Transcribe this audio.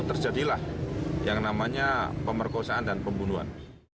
terjadilah yang namanya pemerkosaan dan pembunuhan